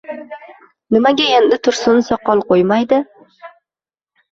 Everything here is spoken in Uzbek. Nimaga endi Tursun soqol qo‘ymaydi?